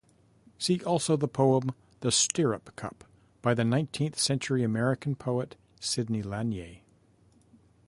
See also the poem "The Stirrup-Cup" by the nineteenth-century American poet, Sidney Lanier.